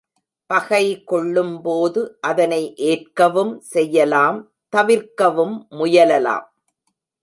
பகை கொள்ளும்போது அதனை ஏற்கவும் செய்யலாம் தவிர்க்கவும் முயலலாம்.